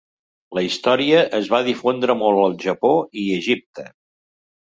La història es va difondre molt al Japó i Egipte.